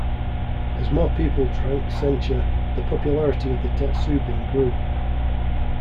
As more people drank sencha, the popularity of the tetsubin grew.